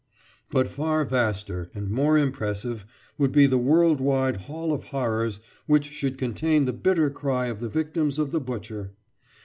But far vaster and more impressive would be the world wide hall of horrors which should contain the bitter cry of the victims of the butcher.